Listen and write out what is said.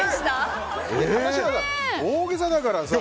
大げさだからさ。